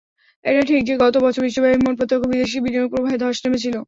এটা ঠিক যে গত বছর বিশ্বব্যাপী মোট প্রত্যক্ষবিদেশি বিনিয়োগ প্রবাহে ধস নেমেছিল।